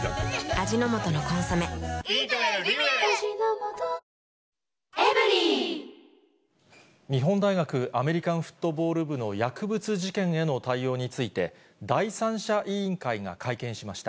味の素の「コンソメ」日本大学アメリカンフットボール部の薬物事件への対応について、第三者委員会が会見しました。